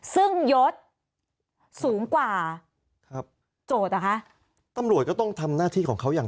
ซึ่งยศสูงกว่าโจทย์เหรอคะ